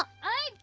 はい。